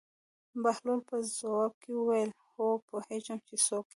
بهلول په ځواب کې وویل: هو پوهېږم چې څوک یې.